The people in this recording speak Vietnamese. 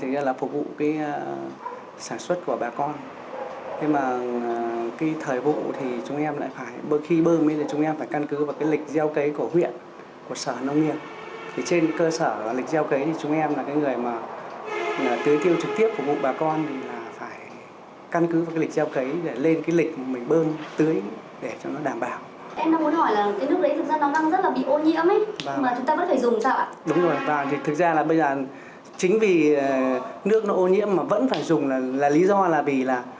đúng rồi và thực ra là bây giờ chính vì nước nó ô nhiễm mà vẫn phải dùng là lý do là vì là